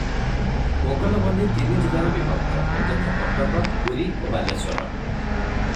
ମୋଗଲବନ୍ଦୀ ତିନି ଜିଲ୍ଲାରେ ବିଭକ୍ତ, ଯଥା:-କଟକ, ପୁରୀ ଓ ବାଲେଶ୍ୱର ।